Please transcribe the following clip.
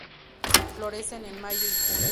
Florece en mayo y junio.